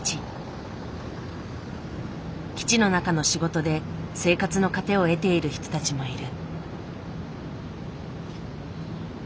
基地の中の仕事で生活の糧を得ている人たちもいる。